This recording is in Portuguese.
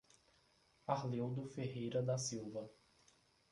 Arleudo Ferreira da Silva